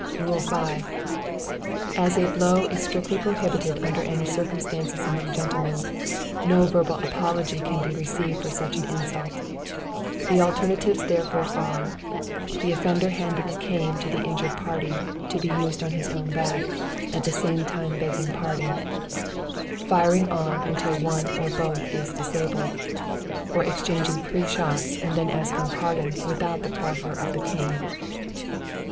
"Rule 5. As a blow is strictly prohibited under any circumstances among gentlemen, no verbal apology can be received for such an insult; the alternatives therefore are: the offender handing a can to the injured party, to be used on his own back, at the same time begging pardon; firing on until one or both is disabled; or exchanging three shots, and then asking pardon without the proffer of the cane.